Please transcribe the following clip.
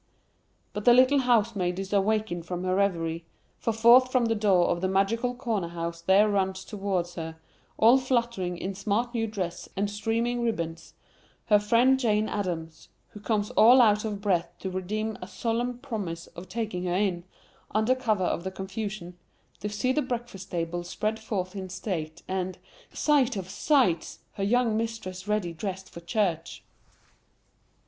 But the little housemaid is awakened from her reverie, for forth from the door of the magical corner house there runs towards her, all fluttering in smart new dress and streaming ribands, her friend Jane Adams, who comes all out of breath to redeem a solemn promise of taking her in, under cover of the confusion, to see the breakfast table spread forth in state, and—sight of sights!—her young mistress ready dressed for church.